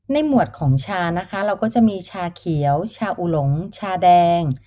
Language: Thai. หมวดของชานะคะเราก็จะมีชาเขียวชาอุหลงชาแดง